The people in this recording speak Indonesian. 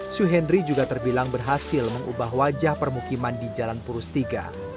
su hendri juga terbilang berhasil mengubah wajah permukiman di jalan purus tiga